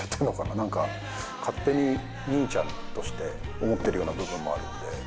何か勝手に兄ちゃんとして思ってるような部分もあるんで。